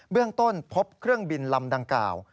เรื่องต้นพบเครื่องบินลำดังกล่าว